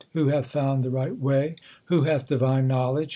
Who hath found the right way ? Who hath divine knowledge